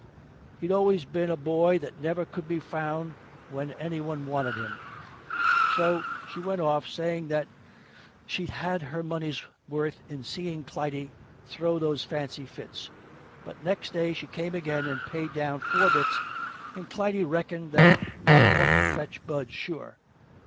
He'd always been a boy that never could be found when any one wanted him. So she went off, saying that she'd had her money's worth in seeing Clytie throw those fancy fits. But next day she came again and paid down four bits, and Clytie reckoned that that ought to fetch Bud sure.